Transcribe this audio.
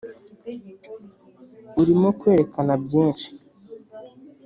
urimo kwerekana byinshi